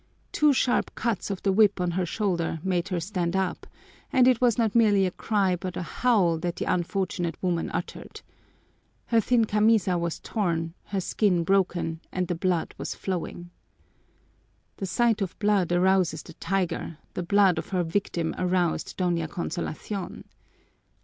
Two sharp cuts of the whip on her shoulder made her stand up, and it was not merely a cry but a howl that the unfortunate woman uttered. Her thin camisa was torn, her skin broken, and the blood was flowing. The sight of blood arouses the tiger; the blood of her victim aroused Doña Consolacion.